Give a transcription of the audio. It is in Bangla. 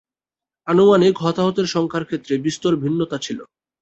আনুমানিক হতাহতের সংখ্যার ক্ষেত্রে বিস্তর ভিন্নতা ছিল।